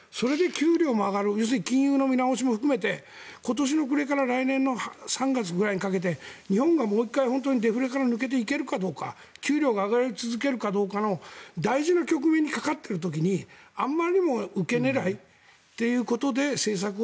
それで給料も上がる金融の見直しも含めて今年の暮れから来年の３月にかけて日本がもう１回デフレから抜けていけるかどうか給料が上がり続けるかどうかの大事な局面にかかっている時にあまりにも受け狙いということで政策を。